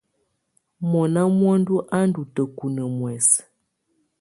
Mɔna muǝndù á ndɔ́ tǝ́kunǝ́ muɛsɛ.